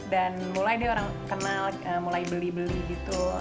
dan mulai deh orang kenal mulai beli beli gitu